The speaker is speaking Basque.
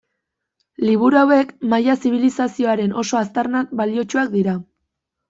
Liburu hauek maia zibilizazioaren oso aztarnak baliotsuak dira.